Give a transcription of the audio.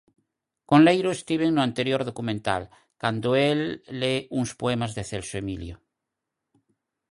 Con Leiro estiven no anterior documental, cando el le uns poemas de Celso Emilio.